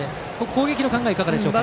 攻撃の考えはいかがですか。